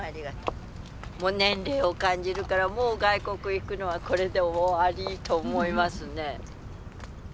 もう年齢を感じるからもう外国行くのはこれで終わりと思いますね。